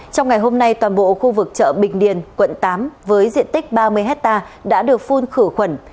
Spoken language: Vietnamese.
trong ngày hôm nay toàn bộ khu vực chợ bình điền quận tám với diện tích ba mươi hectare đã được phun khử khuẩn